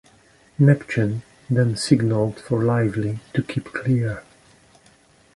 "Neptune" then signalled for "Lively" to keep clear.